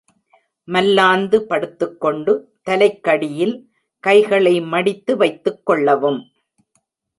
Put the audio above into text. மல்லாந்து படுத்துக் கொண்டு தலைக்கடியில் கைகளை மடித்து வைத்துக் கொள்ளவும்.